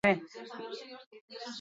Informatika praktikoaren txanda da gaur.